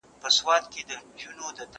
له ناکامه د قسمت په انتظار سو